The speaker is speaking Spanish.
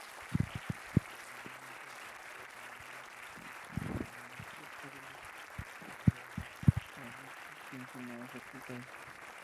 Adicionalmente, ha coordinado el curso de Inmunología para los postgrados adscritos la mencionada Facultad.